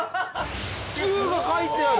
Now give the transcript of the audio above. Ｑが書いてある！